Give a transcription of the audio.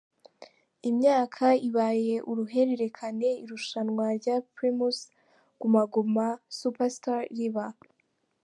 Imyaka ibaye uruhererekane irushanwa rya Primus Guma Guma Super Star riba.